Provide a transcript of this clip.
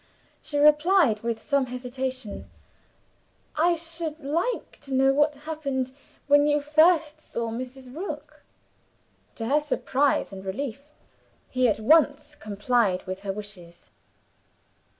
She replied, with some hesitation, "I should like to know what happened when you first saw Mrs. Rook." To her surprise and relief, he at once complied with her wishes.